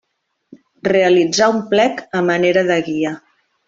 Realitzar un plec a manera de guia.